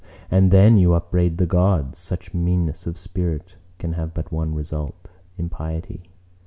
And then you upbraid the Gods. Such meanness of spirit can have but one result—impiety.